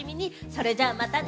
それじゃあ、またね！